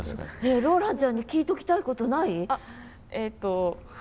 ローランちゃんに聞いときたいことない？